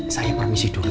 saya permisi dulu